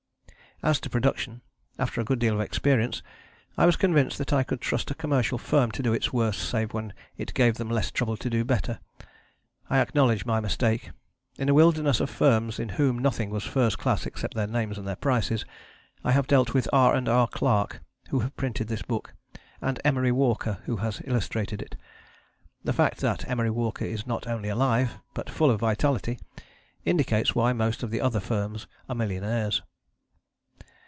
As to production, after a good deal of experience, I was convinced that I could trust a commercial firm to do its worst save when it gave them less trouble to do better. I acknowledge my mistake. In a wilderness of firms in whom nothing was first class except their names and their prices, I have dealt with R. & R. Clark, who have printed this book, and Emery Walker, who has illustrated it. The fact that Emery Walker is not only alive, but full of vitality, indicates why most of the other firms are millionaires.